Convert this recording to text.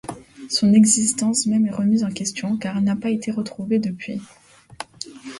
Son existence même est remise en question car elle n'a pas été retrouvée depuis.